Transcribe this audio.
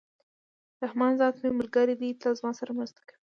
رحمان ذات مي ملګری دئ! تل زما سره مرسته کوي.